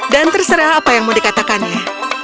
dan terserah apa yang mau dikatakannya